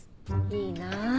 いいなぁ